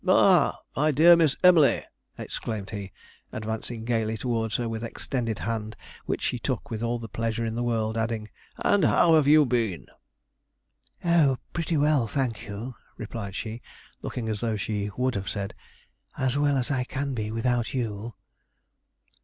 "Ah, my dear Miss Emley!" exclaimed he, advancing gaily towards her with extended hand, which she took with all the pleasure in the world; adding, "and how have you been?" "Oh, pretty well, thank you," replied she, looking as though she would have said, "As well as I can be without you."